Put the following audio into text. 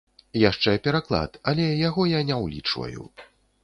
Яшчэ пераклад, але яго я не ўлічваю.